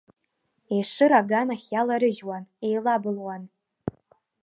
Ешыра аганахь иаларыжьуан, еилабылуан.